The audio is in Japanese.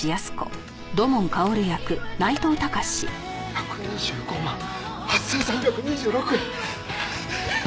１２５万８３２６円。